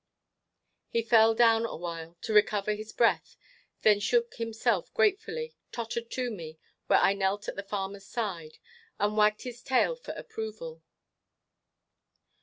He fell down awhile, to recover his breath, then shook himself gratefully, tottered to me, where I knelt at the farmer's side, and wagged his tail for approval.